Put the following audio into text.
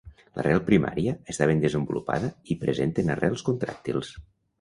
L'arrel primària està ben desenvolupada i presenten arrels contràctils.